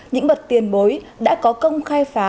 những bậc tiền bối đã có công khai phá